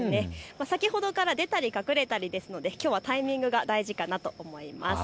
先ほどから出たり隠れたりですのできょうはタイミングが大事かなと思います。